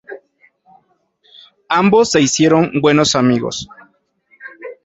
Ambos se hicieron buenos amigos.